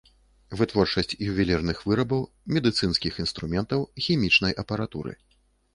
Вытворчасць ювелірных вырабаў, медыцынскіх інструментаў, хімічнай апаратуры.